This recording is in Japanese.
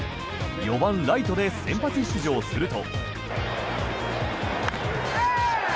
４番ライトで先発出場すると。